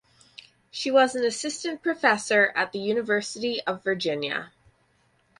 She was an assistant professor at the University of Virginia.